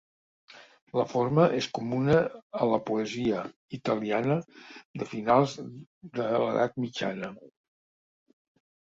La forma és comuna a la poesia italiana de finals de l'Edat Mitjana.